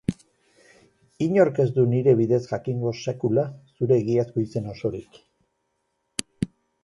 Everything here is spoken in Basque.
Inork ez du nire bidez jakingo sekula zure egiazko izen osorik.